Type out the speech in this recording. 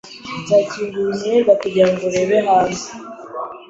Nzakingura umwenda kugirango urebe hanze.